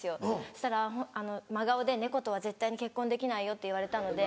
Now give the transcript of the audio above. そしたら真顔で猫とは絶対に結婚できないよって言われたので。